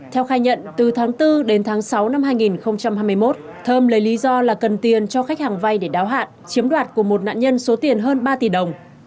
theo khai nhận từ tháng bốn đến tháng sáu năm hai nghìn hai mươi một thơm lấy lý do là cần tiền cho khách hàng vay để đáo hạn chiếm đoạt của một nạn nhân số tiền hơn ba tỷ đồng